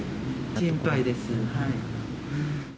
心配です。